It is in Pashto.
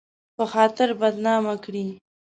په خاطر بدنامه کړي